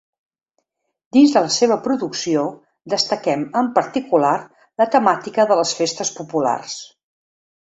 Dins de la seva producció, destaquem en particular la temàtica de les festes populars.